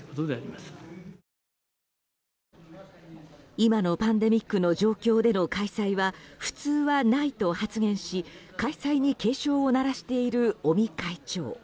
今のパンデミックの状況での開催は普通はないと発言し、開催に警鐘を鳴らしている尾身会長。